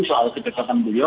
soal kebesaran beliau